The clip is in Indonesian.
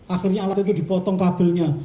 akhirnya alat itu dipotong kabelnya